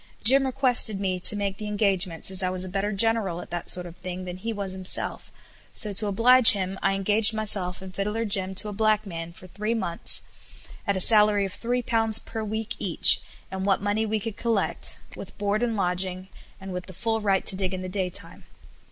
Jim requested me to make the engagements, as I was a better general at that sort of thing than he was himself, so to oblige him I engaged myself and Fiddler Jim to a black man for three months, at a salary of three pounds per week each, and what money we could collect, with board and lodging, and with the full right to dig in the day time.